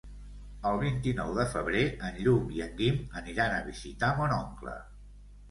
El vint-i-nou de febrer en Lluc i en Guim aniran a visitar mon oncle.